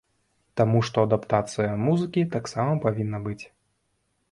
Таму што адаптацыя музыкі таксама павінна быць.